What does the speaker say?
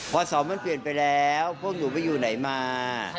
พอสองมันเปลี่ยนไปแล้วพวกหนูไปอยู่ไหนมา